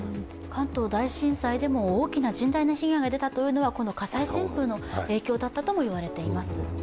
関東大震災でも大きな甚大な被害が出たというのは、この火災旋風の影響だったともいわれています。